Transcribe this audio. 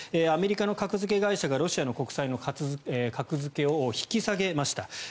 アメリカの格付け会社がロシアの国債の格付けを引き下げました。